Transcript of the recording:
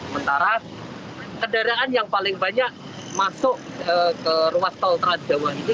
sementara kendaraan yang paling banyak masuk ke ruas tol trans jawa ini